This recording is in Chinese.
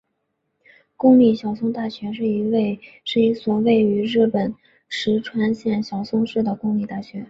公立小松大学是一所位于日本石川县小松市的公立大学。